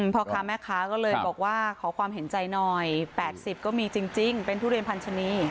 พ่อค้าแม่ค้าก็เลยบอกว่าขอความเห็นใจหน่อย๘๐ก็มีจริงเป็นทุเรียนพันธนี